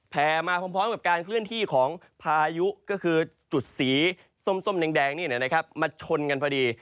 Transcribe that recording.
มาพร้อมกับการเคลื่อนที่ของพายุก็คือจุดสีส้มแดงนี่นะครับมาชนกันพอดี